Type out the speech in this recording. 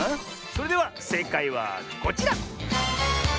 それではせいかいはこちら！